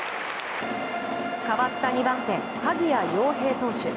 代わった２番手、鍵谷陽平投手